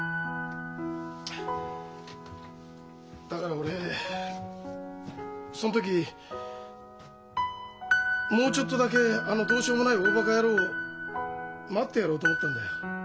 だから俺その時もうちょっとだけあのどうしようもない大バカ野郎を待ってやろうと思ったんだよ。